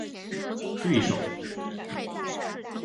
对手